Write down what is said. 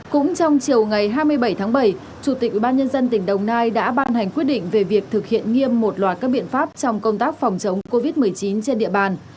cũng trong chiều ngày hai mươi bảy tháng bảy chủ tịch ubnd tỉnh đồng nai đã ban hành quyết định về việc thực hiện nghiêm một loạt các biện pháp trong công tác phòng chống covid một mươi chín trên địa bàn